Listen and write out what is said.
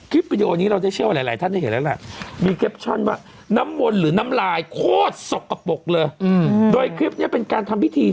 ๓๑คิดว่านำวนหรือนำลายโฆษย์กระปลกเลยคริ๊ปนี้เป็นการทำวิธี